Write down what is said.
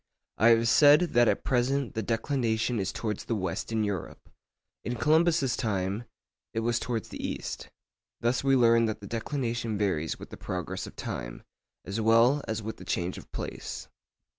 I have said that at present the declination is towards the west in Europe. In Columbus's time it was towards the east. Thus we learn that the declination varies with the progress of time, as well as with change of place.